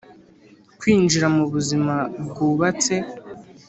kwinjira mubuzima bwubatse.